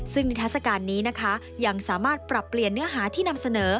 ซึ่งนิทัศกาลนี้นะคะยังสามารถปรับเปลี่ยนเนื้อหาที่นำเสนอ